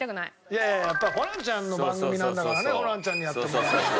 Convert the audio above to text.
いやいややっぱホランちゃんの番組なんだからねホランちゃんにやってもらわないと。